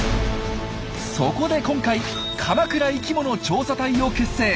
そこで今回「鎌倉生きもの調査隊」を結成。